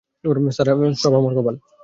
সব আমার কপাল!